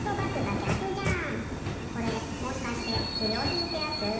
これもしかしてふりょうひんってやつ？